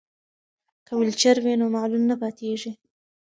که ویلچر وي نو معلول نه پاتیږي.